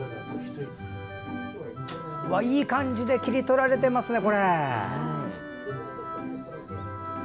いい感じで切り取られてますね。